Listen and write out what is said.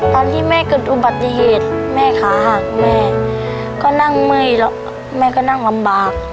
ตอนที่แม่เกิดอุบัติเหตุแม่ขาหักแม่ก็นั่งเมื่อยแล้วแม่ก็นั่งลำบาก